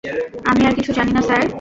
আমি আর কিছু জানি না, স্যার।